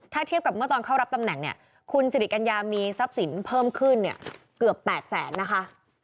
ถ้าเทียบกับเมื่อตอนเข้ารับตำแหน่งเนี่ยคุณสิริกัญญามีทรัพย์สินเพิ่มขึ้นเนี่ยเกือบ๘แสนนะคะ